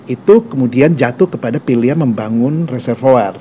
itu kemudian jatuh kepada pilihan membangun reservoir